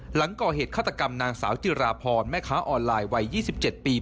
หลังก่อเหตุฆาตกรรมนางสาวจิราพรแม่ค้าออนไลน์วัย๒๗ปี